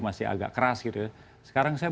masih agak keras gitu ya sekarang saya